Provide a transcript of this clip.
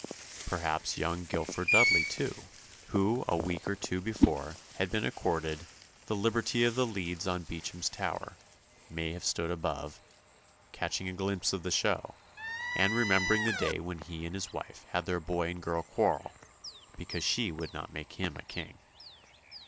Perhaps young Guilford Dudley too, who a week or two before had been accorded "the liberty of the leads on Beacham's Tower," may have stood above, catching a glimpse of the show, and remembering the day when he and his wife had their boy and girl quarrel, because she would not make him a King.